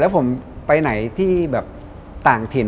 ผมไปไหนที่แบบต่างถิ่น